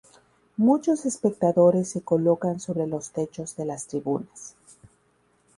Muchos espectadores se colocan sobre los techos de las tribunas.